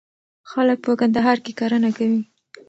خلک په کندهار کي کرنه کوي.